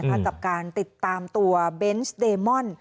กับการติดตามตัวเบนส์เดมอน